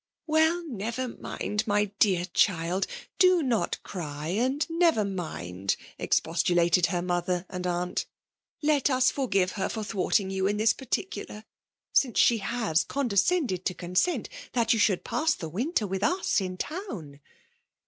" Well, never mind, my dear child,— do not cry, and never mind l" — expostulated her mother and aunt. ''Let us forgive her for thwarting you in this particubr; since she haa condescended to consent that you should pass the winter with us in town.